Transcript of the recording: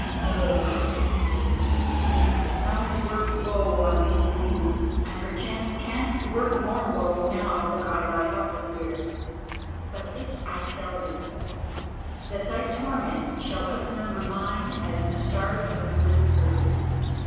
Oh, thou evil woman, thou hast worked woe on me indeed, and perchance canst work more woe now that I lie helpless here. But this I tell thee, that thy torments shall outnumber mine as the stars outnumber the earth.